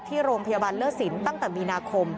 ที่โรงพยาบาลเลิศสินตั้งแต่มีนาคม